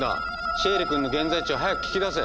シエリ君の現在地を早く聞き出せ！